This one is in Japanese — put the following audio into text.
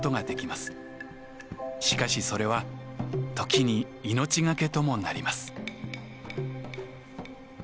しかしそれは時に命懸けともなります。